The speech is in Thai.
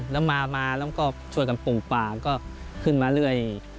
แล้วมาแล้วก็ช่วยกันปลูกป่าก็ขึ้นมาเรื่อย